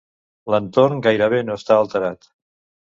L'entorn gairebé no està alterat.